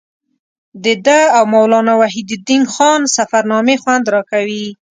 د ده او مولانا وحیدالدین خان سفرنامې خوند راکوي.